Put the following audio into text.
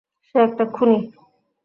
সে একটা খুনি!